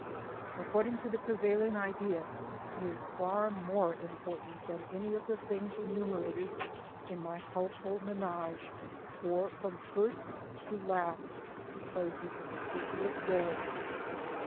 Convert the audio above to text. According to the prevailing idea, he is far more important than any of the things enumerated in niy household manage, for from first to last he played a conspicuous r6le.